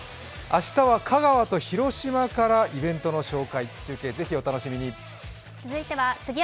明日は香川と広島からイベントの紹介、中継をぜひお楽しみに。